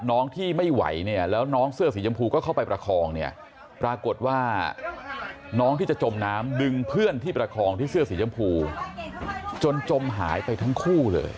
น้องที่ไม่ไหวเนี่ยแล้วน้องเสื้อสีชมพูก็เข้าไปประคองเนี่ยปรากฏว่าน้องที่จะจมน้ำดึงเพื่อนที่ประคองที่เสื้อสีชมพูจนจมหายไปทั้งคู่เลย